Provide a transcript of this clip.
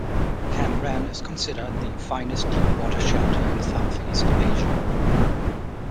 Cam Ranh is considered the finest deepwater shelter in Southeast Asia.